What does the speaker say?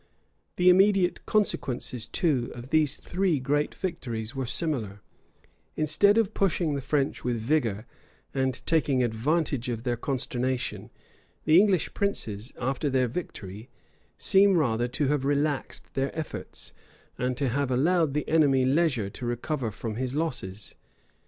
The immediate consequences too of these three great victories were similar: instead of pushing the French with vigor, and taking advantage of their consternation, the English princes, after their victory, seem rather to have relaxed their efforts, and to have allowed the enemy leisure to recover from his losses.